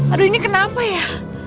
aduh ini kenapa ya